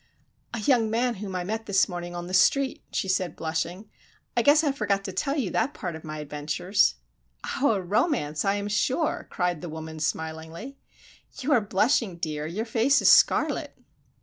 "A young man whom I met this morning on the street," she said, blushing. "I guess I forgot to tell you that part of my adventures." "Ah, a romance, I am sure," cried the woman, smilingly. "You are blushing, dear, your face is scarlet."